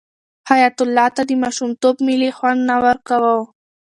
حیات الله ته د ماشومتوب مېلې خوند نه ورکاوه.